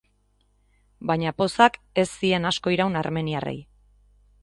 Baina pozak ez zien asko iraun armeniarrei.